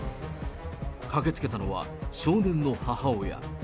駆けつけたのは、少年の母親。